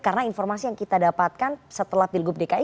karena informasi yang kita dapatkan setelah pilgub dki